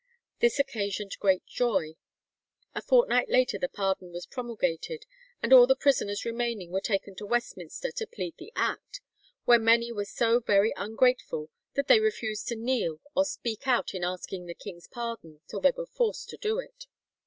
This occasioned great joy. A fortnight later the pardon was promulgated, and all the prisoners remaining were taken to Westminster to plead the Act, "where many were so very ungrateful that they refused to kneel or speak out in asking the king's pardon till they were forced to it."